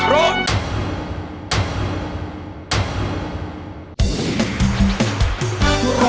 ร้อง